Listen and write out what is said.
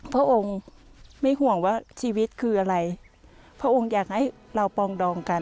พระองค์ไม่ห่วงว่าชีวิตคืออะไรพระองค์อยากให้เราปองดองกัน